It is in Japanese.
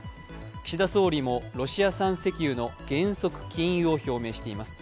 岸田総理もロシア産石油の原則禁輸を表明しています。